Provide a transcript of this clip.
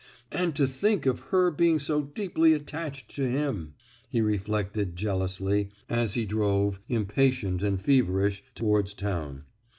"And to think of her being so deeply attached to him!" he reflected jealously, as he drove, impatient and feverish, towards town.